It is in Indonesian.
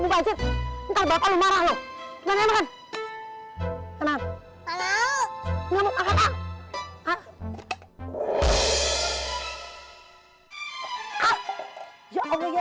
banget banget ya